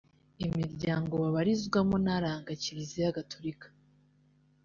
imiryango babarizwamo n’aranga kiliziya Gaturika